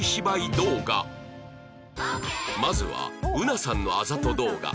まずは ｕｎａ さんのあざと動画